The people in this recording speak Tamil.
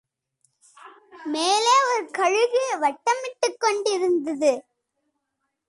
மேலே ஒரு கழுகு வட்டமிட்டுக் கொண்டிருந்தது.